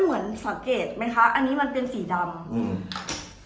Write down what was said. เหมือนสังเกตไหมคะอันนี้มันเป็นสีดำอืม